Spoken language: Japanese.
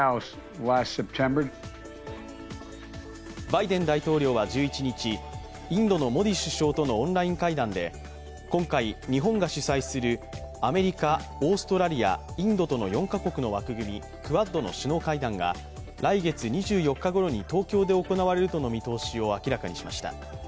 バイデン大統領は１１日、インドのモディ首相とのオンライン会談で、今回、日本が主催するアメリカ、オーストラリア、インドとの４カ国の枠組み、クアッドの首脳会談が来月２４日ごろに東京で行われるとの見通しを明らかにしました。